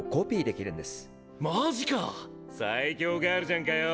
マジか⁉最強ガールじゃんかよ！